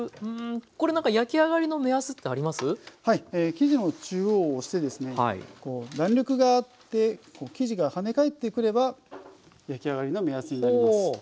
生地の中央を押してですね弾力があって生地がはね返ってくれば焼き上がりの目安になります。